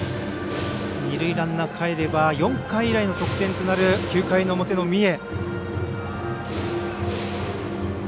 二塁ランナーかえれば４回以来の得点となる９回の表の三重。